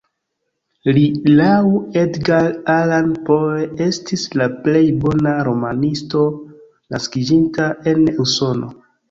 Li laŭ Edgar Allan Poe estis la plej bona romanisto naskiĝinta en Usono.